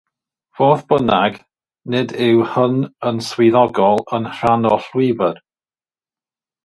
Fodd bynnag, nid yw hwn yn swyddogol yn rhan o'r llwybr.